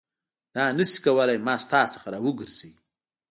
دا نه شي کولای ما ستا څخه راوګرځوي.